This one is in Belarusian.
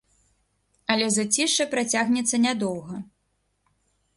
Але зацішша працягнецца нядоўга.